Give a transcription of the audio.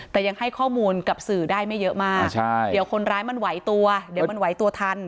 แต่ยังให้ข้อมูลกับสื่อได้ไม่เยอะมากใช่เดี๋ยวคนร้ายมันไหวตัวเดี๋ยวมันไหวตัวทัน